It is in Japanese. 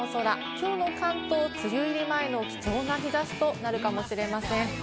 今日、関東は梅雨入り前の貴重な日差しとなるかもしれません。